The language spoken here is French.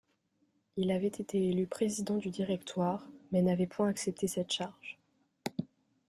Il avait été élu président du directoire, mais n'avait point accepté cette charge.